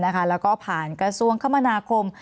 แล้วก็ผ่านกระทรวงคมนาคม